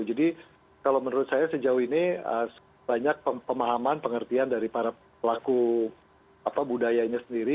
jadi kalau menurut saya sejauh ini eee banyak pemahaman pengertian dari para pelaku apa budayanya sendiri